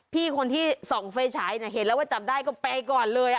พี่คนที่ส่องไฟฉายเห็นแล้วว่าจับได้ก็ไปก่อนเลย